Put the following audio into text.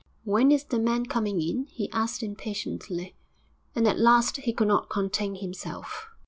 'When is the man coming in?' he asked impatiently. And at last he could not contain himself.